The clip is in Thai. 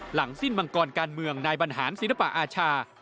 หลังสิ้นมังกรการเมืองนายบรรหารศิลปะอาชา